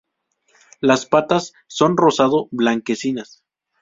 Las patas son rosado blanquecinas.